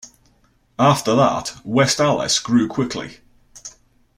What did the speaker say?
After that, West Allis grew quickly.